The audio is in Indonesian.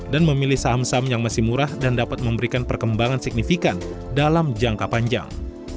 dan memilih saham saham yang masih murah dan dapat memberikan perkembangan signifikan dalam jangka panjang